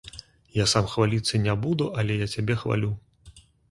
Я сам хваліцца не буду, але я цябе хвалю.